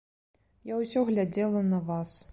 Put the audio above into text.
Я ўсё глядзела на вас.